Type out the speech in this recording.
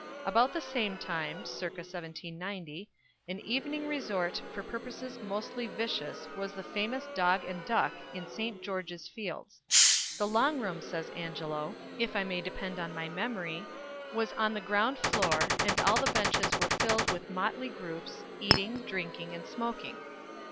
About the same time (circa 1790) an evening resort for purposes mostly vicious was the famous Dog and Duck, in St. George's Fields. "The long room," says Angelo, "if I may depend on my memory, was on the ground floor, and all the benches were filled with motley groups, eating, drinking, and smoking."